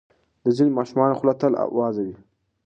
د ځینو ماشومانو خوله تل وازه وي.